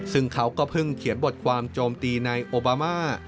ซึ่งเขาก็เพิ่งเขียนบทความโจมตีนายโอบามา